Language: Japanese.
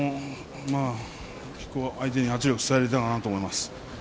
相手に圧力を伝えられたかなと思います。